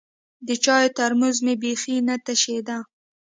د چايو ترموز مې بيخي نه تشېده.